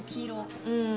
うん